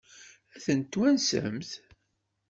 Ad tent-twansemt?